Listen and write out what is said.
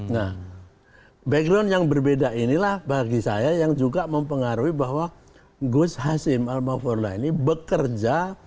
nah background yang berbeda inilah bagi saya yang juga mempengaruhi bahwa gus hasim al mafurla ini bekerja